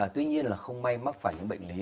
tuy nhiên là không may mắc phải những bệnh lý